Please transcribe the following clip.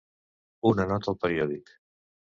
Una nota al periòdic.